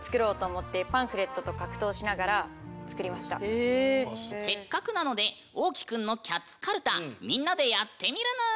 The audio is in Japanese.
もともとせっかくなのでおうきくんのキャッツかるたみんなでやってみるぬん！